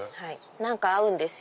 何か合うんですよ。